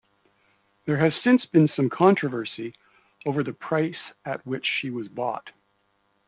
There has since been some controversy over the price at which she was bought.